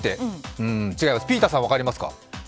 ピーターさん、分かりますか？